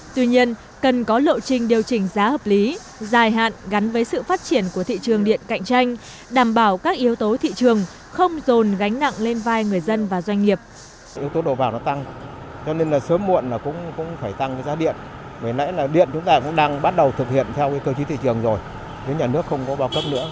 tuy nhiên cần có lộ trình điều chỉnh giá hợp lý dài hạn gắn với sự phát triển của thị trường điện cạnh tranh đảm bảo các yếu tố thị trường không dồn gánh nặng lên vai người dân và doanh nghiệp